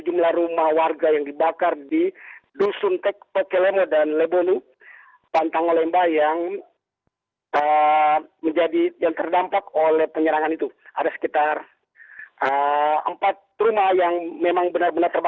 kepala kepolisian daerah sulawesi tengah brigade inspektur jenderal polisi adul rahman basso juga telah memimpin pembangunan kembangannya